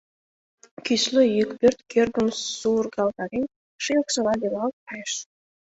Кӱсле йӱк, пӧрт кӧргым сургалтарен, ший оксала велалт кайыш.